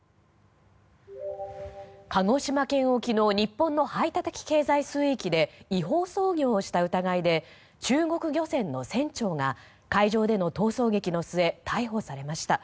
鹿児島県沖の日本の排他的経済水域で違法操業をした疑いで中国漁船の船長が海上での逃走劇の末逮捕されました。